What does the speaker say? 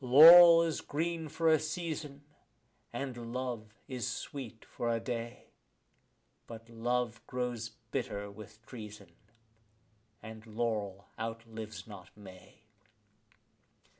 Laurel is green for a season, and love is sweet for a day; But love grows bitter with treason, and laurel outlives not May.